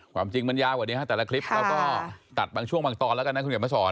ความจริงมันยาวกว่านี้ฮะแต่ละคลิปเราก็ตัดบางช่วงบางตอนแล้วกันนะคุณเขียนมาสอน